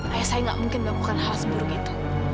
ayah saya gak mungkin melakukan hal seburuk itu